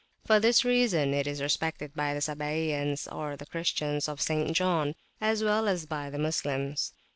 For this reason it is respected by the Sabaeans, or Christians of St. John, as well as by the Moslems.